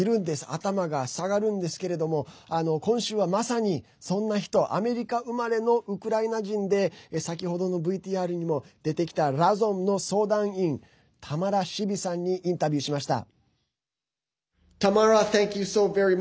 頭が下がるんですけれども今週は、まさにそんな人アメリカ生まれのウクライナ人で先ほどのＶＴＲにも出てきたＲＡＺＯＭの相談員タマラ・シビさんにインタビューしました。